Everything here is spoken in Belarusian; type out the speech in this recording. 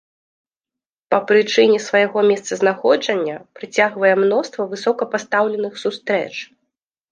Па прычыне свайго месцазнаходжання прыцягвае мноства высокапастаўленых сустрэч.